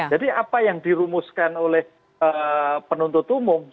jadi apa yang dirumuskan oleh penuntut umum